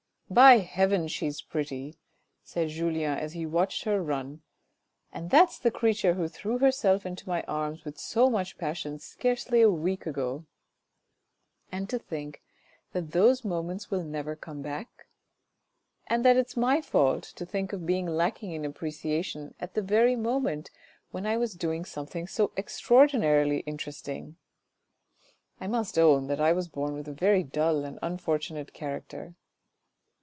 " By heaven, she is pretty said julien as he watched her run and that's the creature who threw herself into my arms with so 356 THE RED AND THE BLACK much passion scarcely a week ago ... and to think that those moments will never come back ? And that it's my fault, to think of my being lacking in appreciation at the very moment when I was doing something so exrraordinarily interesting ! I must own that I was born with a very dull and unfortunate character."